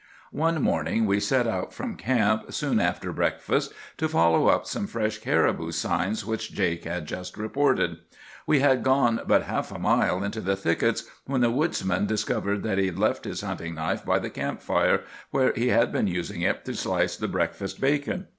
"One morning we set out from camp soon after breakfast to follow up some fresh caribou signs which Jake had just reported. We had gone but half a mile into the thickets when the woodsman discovered that he had left his hunting knife by the camp fire, where he had been using it to slice the breakfast bacon.